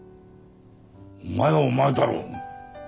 お前はお前だろ。